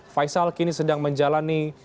faisal kini sedang menjalani